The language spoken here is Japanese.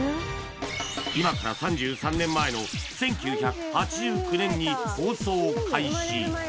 今から３３年前の１９８９年に放送開始